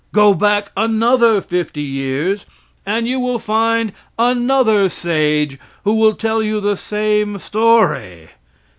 Go back another fifty years and you will find another sage who will tell you the same story.